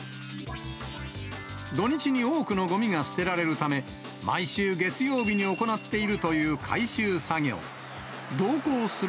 土日に多くのごみが捨てられるため、毎週月曜日に行っているという回収作業。